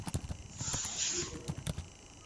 Sauti ya mkenya.